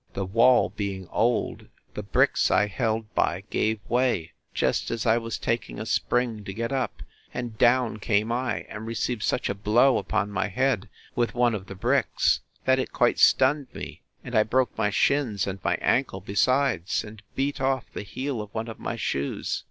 The wall being old, the bricks I held by gave way, just as I was taking a spring to get up; and down came I, and received such a blow upon my head, with one of the bricks, that it quite stunned me; and I broke my shins and my ancle besides, and beat off the heel of one of my shoes.